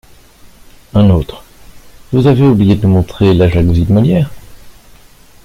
Un autre :« Vous avez oublié de nous montrer la jalousie de Molière.